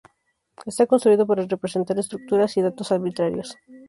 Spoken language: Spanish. Está construido para representar estructuras y datos arbitrarios.